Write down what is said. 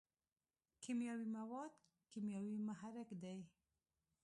کیمیاوي مواد کیمیاوي محرک دی.